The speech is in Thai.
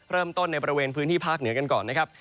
ในบริเวณพื้นที่ภาคเหนือกันก่อนนะครับ